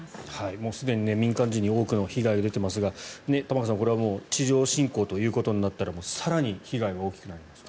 もうすでに民間人に多くの被害が出ていますが玉川さん、これはもう地上侵攻ということになったら更に被害が大きくなりますね。